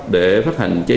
để phát hành trái phiếu